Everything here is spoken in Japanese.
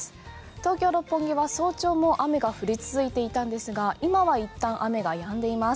東京・六本木は早朝も雨が降り続いていたんですが今は一旦雨が止んでいます。